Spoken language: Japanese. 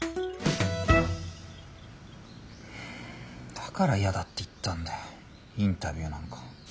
だから嫌だって言ったんだよインタビューなんか。